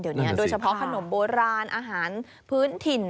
เดี๋ยวนี้โดยเฉพาะขนมโบราณอาหารพื้นถิ่น